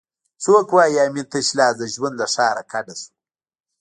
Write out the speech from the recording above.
څوک وایي امین تش لاس د ژوند له ښاره کډه شو؟